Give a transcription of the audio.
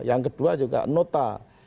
yang kedua juga nota